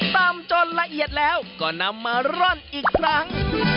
ตำจนละเอียดแล้วก็นำมาร่อนอีกครั้ง